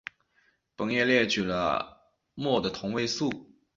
本页列举了镆的同位素。